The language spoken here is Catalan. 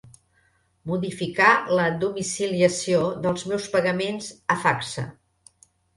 Modificar la domiciliació dels meus pagaments a Facsa.